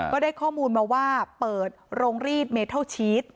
ก็ได้ข้อมูลมาว่าเปิดโรงรีดเมทัลชีส